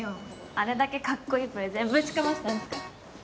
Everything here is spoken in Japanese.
あれだけカッコいいプレゼンぶちかましたんすから。